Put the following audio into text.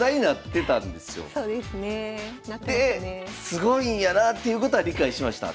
すごいんやなということは理解しました。